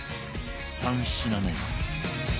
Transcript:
３品目は